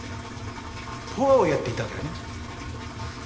ポアをやっていたわけだね。